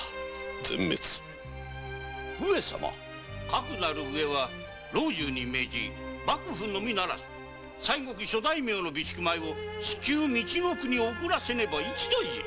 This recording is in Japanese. かくなる上は老中に命じ幕府のみならず西国諸大名の備蓄米を至急みちのくに送らせねば一大事に。